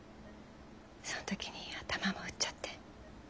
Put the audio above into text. そん時に頭も打っちゃって。